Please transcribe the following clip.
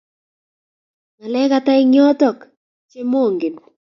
ngalek ate eng yotok che mongen